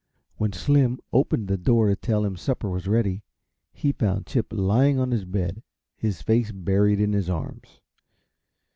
When Slim opened the door to tell him supper was ready, he found Chip lying on his bed, his face buried in his arms.